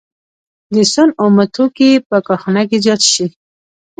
د سون اومه توکي په کارخانه کې زیات شي